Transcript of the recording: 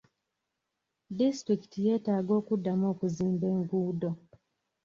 Disitulikiti yeetaaga okuddamu okuzimba enguudo.